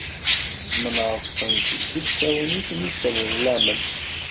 Tesmenɛeḍ-ten seg yilsawen i ten-isseḍlamen.